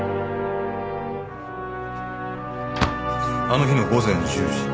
あの日の午前１０時。